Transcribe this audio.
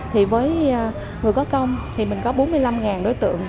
thì với người có công thì mình có bốn mươi năm